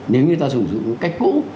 nếu như ta sử dụng cách cũ